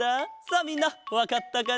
さあみんなわかったかなあ？